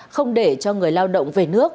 không để cho người lao động về